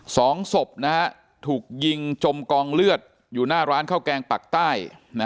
สองศพนะฮะถูกยิงจมกองเลือดอยู่หน้าร้านข้าวแกงปักใต้